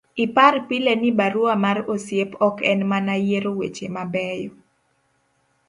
ipar pile ni barua mar osiep ok en mana yiero weche mabeyo